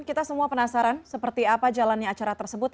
kita semua penasaran seperti apa jalannya acara tersebut